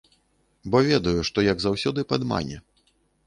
Бо ведаю, што, як заўсёды, падмане.